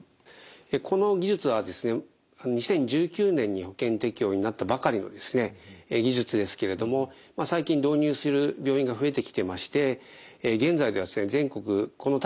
この技術はですね２０１９年に保険適用になったばかりの技術ですけれども最近導入する病院が増えてきてまして現在では全国このタイプのロボットではですね